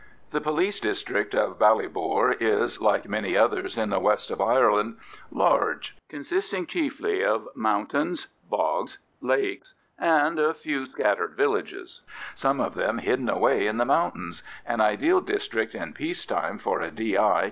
The police district of Ballybor is, like many others in the west of Ireland, large, consisting chiefly of mountains, bogs, lakes, and a few small scattered villages, some of them hidden away in the mountains—an ideal district in peace time for a D.I.